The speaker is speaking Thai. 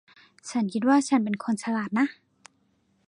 ฉันคิดว่าฉันเป็นคนฉลาดนะ